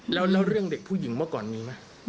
แล้วเรื่องเด็กผู้หญิงเมื่อก่อนมีไหม